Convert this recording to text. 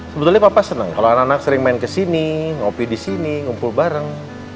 sebetulnya papa senang kalau anak anak sering main kesini ngopi di sini ngumpul bareng